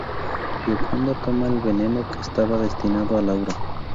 Gioconda toma el veneno que estaba destinado a Laura.